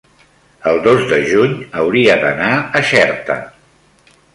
el dos de juny hauria d'anar a Xerta.